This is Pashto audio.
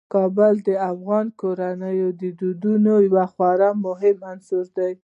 کابل د افغان کورنیو د دودونو یو خورا مهم عنصر دی.